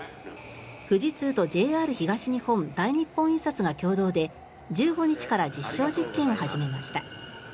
富士通とＪＲ東日本大日本印刷が共同で１５日から実証実験を始めました。